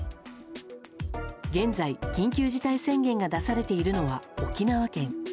現在、緊急事態宣言が出されているのは沖縄県。